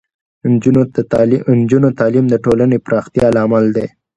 د نجونو تعلیم د ټولنې پراختیا لامل دی.